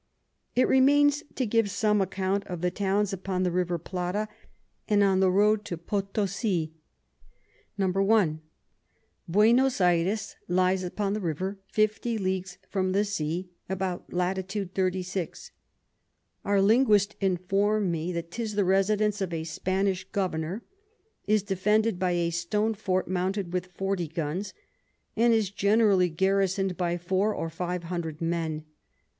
It remains to give some account of the Towns upon the River Plata and on the Road to Potosi. 1. Buenos Ayres lies upon the River 50 Leagues from the Sea, about Lat. 36. Our Linguist inform'd me that 'tis the Residence of a Spanish Governour, is defended by a Stone Fort mounted with 40 Guns, and is generally garison'd by 4 or 500 Men.